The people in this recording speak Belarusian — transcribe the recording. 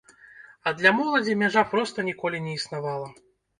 А для моладзі мяжа проста ніколі не існавала.